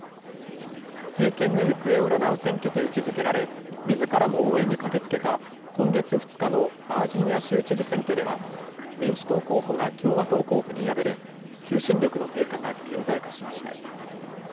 政権の行方を占う選挙と位置づけられ、みずからも応援に駆けつけた今月２日のバージニア州知事選挙では、民主党候補が共和党候補に敗れ、求心力の低下が顕在化しました。